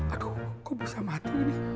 aduh kok bisa mati ini